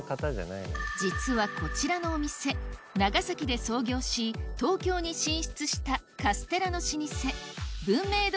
実はこちらのお店長崎で創業し東京に進出したカステラの老舗文明堂